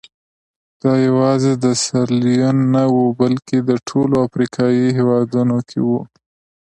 دا یوازې سیریلیون نه وو بلکې په ټولو افریقایي هېوادونو کې وو.